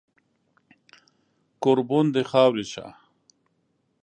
کوربون د خاورې شه